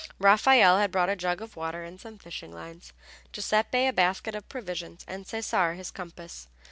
Raffaelle had brought a jug of water and some fishing lines, Giuseppe a basket of provisions, and Cesare his compass.